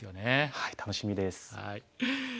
はい楽しみです。